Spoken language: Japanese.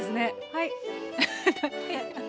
はい。